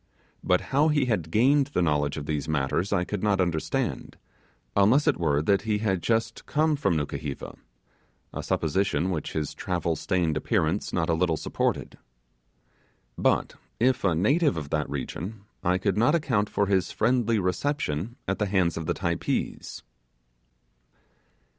But how he had gained the knowledge of these matters I could not understand, unless it were that he had just come from Nukuheva a supposition which his travel stained appearance not a little supported. But, if a native of that region, I could not account for his friendly reception at the hands of the Typees.